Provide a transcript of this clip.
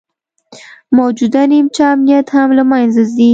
موجوده نیمچه امنیت هم له منځه ځي